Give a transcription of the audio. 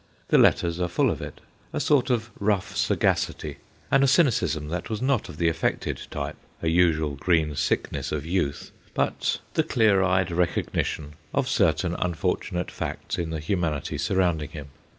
The letters are full of it a sort of rough sagacity, and a cynicism that was not of the affected type, a usual green sickness of youth, but the clear eyed recognition of certain unfortunate 66 THE GHOSTS OF PICCADILLY facts in the humanity surrounding him.